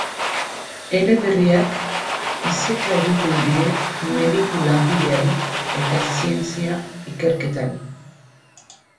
Eleberriak iseka egiten die mediku-lanbideari eta zientzia-ikerketari.